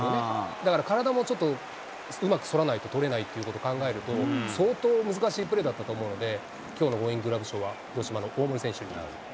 だから体もちょっとうまく反らないと、捕れないっていうことを考えると、相当難しいプレーだったと思うので、きょうのゴーインググラブ賞は広島の大盛選手に。